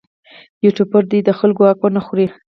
یوټوبر دې د خلکو حق ونه خوري.